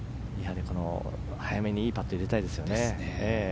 早めにいいパットを入れたいですね。